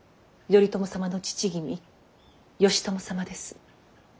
頼朝様の父君義朝様です。